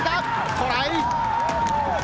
トライ。